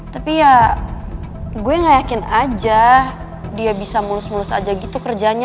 tapi ya gue gak yakin aja dia bisa mulus mulus aja gitu kerjanya